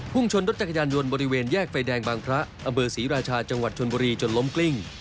ชนรถจักรยานยนต์บริเวณแยกไฟแดงบางพระอำเภอศรีราชาจังหวัดชนบุรีจนล้มกลิ้ง